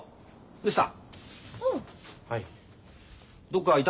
どうした？